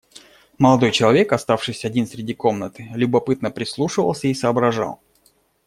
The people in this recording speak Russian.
Молодой человек, оставшись один среди комнаты, любопытно прислушивался и соображал.